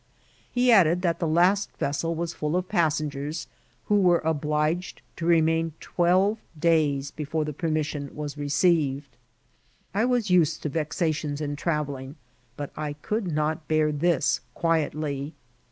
He added that the last vessel was full of passengers, who were obliged to remain twelve days before the permission was received. I was used to vexations in travelling, but I oould not bear this quietly.